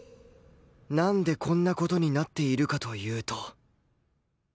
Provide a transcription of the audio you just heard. なんでこんな事になっているかというと